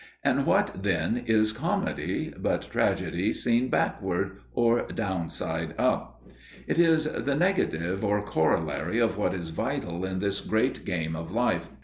And what then is comedy but tragedy seen backward or downside up? It is the negative or corollary of what is vital in this great game of life.